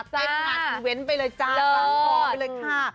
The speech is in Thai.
เต้นมาเว้นไปเลยจ้าล้อไปเลยค่ะ